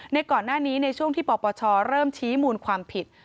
ก่อนหน้านี้ในช่วงที่ปปชเริ่มชี้มูลความผิด